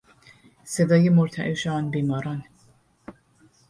صدای مرتعش آن بیماران